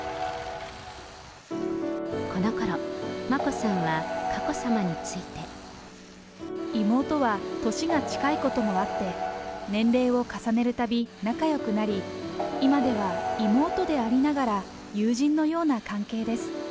このころ、眞子さんは佳子さまについて。妹は年が近いこともあって、年齢を重ねるたび、仲よくなり、今では妹でありながら、友人のような関係です。